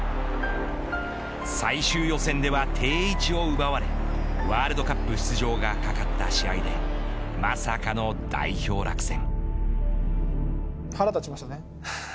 最終予選では定位置を奪われワールドカップ出場がかかった試合でまさかの代表落選。